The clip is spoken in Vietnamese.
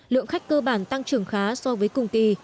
lượng khách cơ bản tăng trưởng khá so với cùng kỳ